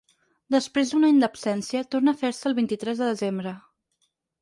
Després d’un any d’absència, torna a fer-se el vint-i-tres de desembre.